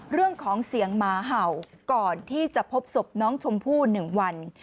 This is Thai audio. เรื่องของเสียงหมาเห่าก่อนที่จะพบศพน้องชมพู่๑วัน